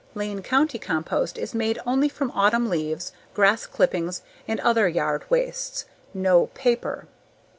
Lane County compost is made only from autumn leaves, grass clippings, and other yard wastes. No paper!